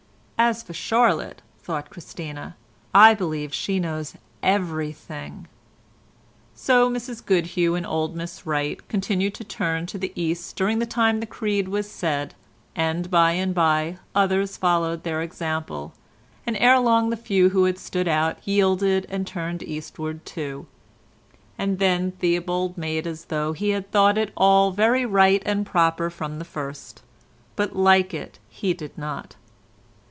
"As for Charlotte," thought Christina, "I believe she knows everything." So Mrs Goodhew and old Miss Wright continued to turn to the east during the time the Creed was said, and by and by others followed their example, and ere long the few who had stood out yielded and turned eastward too; and then Theobald made as though he had thought it all very right and proper from the first, but like it he did not.